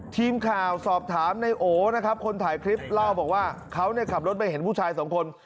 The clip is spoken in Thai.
ทีมข่าวสอบถามในโอนะครับคนถ่ายคลิปเล่าบอกว่าเขาขับรถไปเห็นผู้ชายสองคน